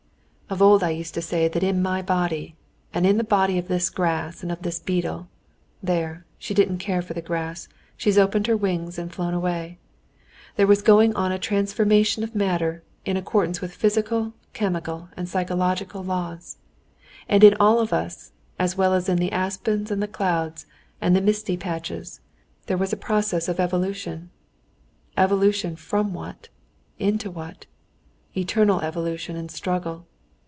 "Of old I used to say that in my body, that in the body of this grass and of this beetle (there, she didn't care for the grass, she's opened her wings and flown away), there was going on a transformation of matter in accordance with physical, chemical, and physiological laws. And in all of us, as well as in the aspens and the clouds and the misty patches, there was a process of evolution. Evolution from what? into what?—Eternal evolution and struggle....